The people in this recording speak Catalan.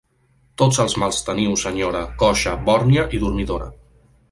Tots els mals teniu, senyora: coixa, bòrnia i dormidora.